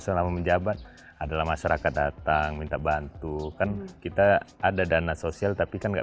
selama menjabat adalah masyarakat datang minta bantu kan kita ada dana sosial tapi kan nggak